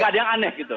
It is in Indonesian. gak ada yang aneh gitu